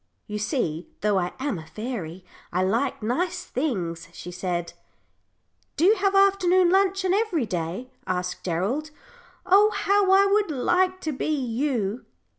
"You see, though I am a fairy, I like nice things," she said. "Do you have afternoon luncheon every day?" asked Gerald. "Oh, how I would like to be you."